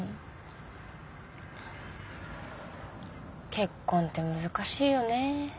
結婚って難しいよね。